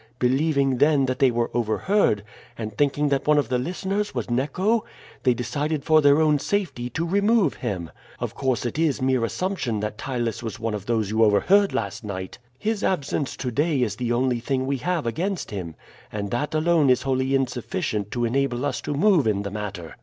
Believing, then, that they were overheard, and thinking that one of the listeners was Neco, they decided for their own safety to remove him. Of course it is mere assumption that Ptylus was one of those you overheard last night. His absence to day is the only thing we have against him, and that alone is wholly insufficient to enable us to move in the matter.